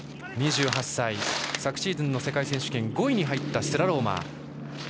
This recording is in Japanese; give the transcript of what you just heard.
２８歳、昨シーズンの世界選手権で５位に入ったスラローマー。